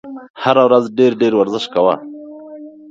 هره ورځ ډېر ډېر ورزش کوه !